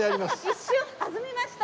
一瞬弾みました。